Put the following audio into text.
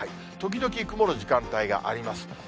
時々、曇る時間帯があります。